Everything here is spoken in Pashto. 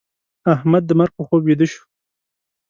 احمد د مرګ په خوب ويده شو.